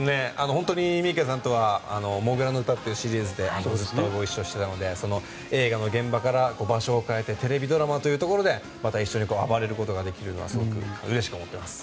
本当に三池さんとは「もぐらの唄」というシリーズで一緒してたので映画の現場から場所を変えてテレビドラマというところでまた一緒に暴れることができてすごくうれしく思っています。